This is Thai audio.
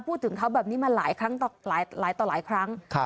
พูดถึงเขาแบบนี้มาหลายต่อหลายครั้ง